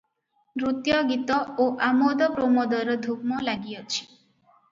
ନୃତ୍ୟ ଗୀତ ଓ ଆମୋଦ ପ୍ରମୋଦର ଧୂମ ଲାଗିଅଛି ।